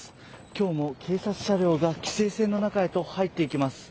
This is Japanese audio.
今日も警察車両が規制線の中へ入っていきます。